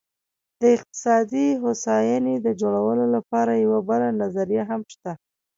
د اقتصادي هوساینې د جوړولو لپاره یوه بله نظریه هم شته.